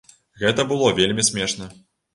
Гэта было вельмі смешна.